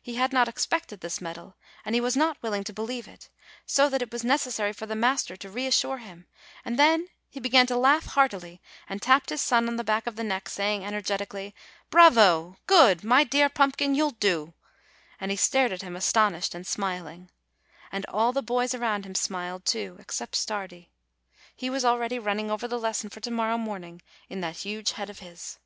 He had not expected this medal, and he was not willing to believe in it, so that it was necessary for the master to re assure him, and then he began to laugh heartily, and tapped his son on the back of the neck, saying energet ically, "Bravo! good! my dear pumpkin; you'll do!" and he stared at him, astonished and smiling. And all the boys around him smiled too, except Stardi. He was already running over the lesson for to morrow morning in that huge head of his.